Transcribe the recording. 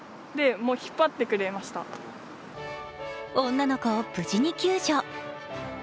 女の子を無事に救助。